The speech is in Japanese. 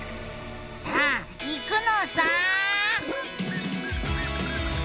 さあいくのさ！